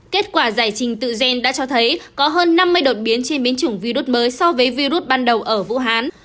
kết quả giải trình tự gen đã cho thấy có hơn năm mươi đột biến trên biến chủng virus mới so với virus ban đầu ở vũ hán